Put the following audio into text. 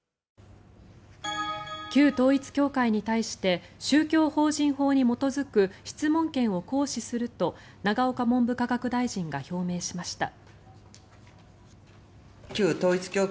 旧統一教会に対して宗教法人法に基づく質問権を行使すると永岡文部科学大臣が表明しました。